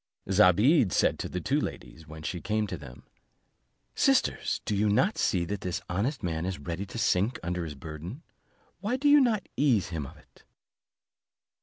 Zobeide said to the two ladies, when she came to them, "Sisters, do not you see that this honest man is ready to sink under his burden, why do not you ease him of it?"